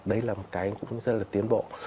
đấy là một cái cũng rất là tiến bộ